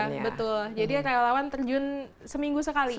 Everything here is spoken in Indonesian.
ya betul jadi relawan terjun seminggu sekali